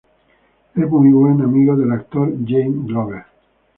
Es muy buen amigo del actor Jamie Glover.